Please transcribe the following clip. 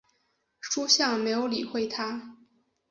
叔向没有理会他。